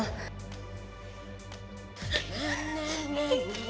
nah nah nah nah